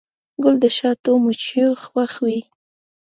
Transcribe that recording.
ګل د شاتو مچیو خوښ وي.